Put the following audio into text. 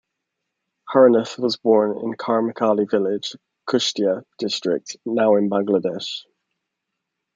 Harinath was born in Kumarkhali village, Kushtia District, now in Bangladesh.